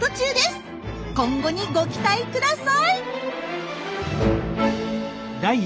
今後にご期待ください！